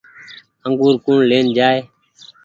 انگور ڪوڻ لين جآئي ۔